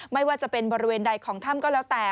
ไม่ว่าจะเป็นบริเวณใดของถ้ำก็แล้วแต่